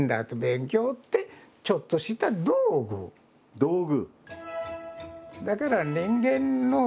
「道具」。